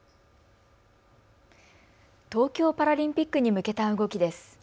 東京パラリンピックに向けた動きです。